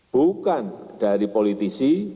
bukan dari politisi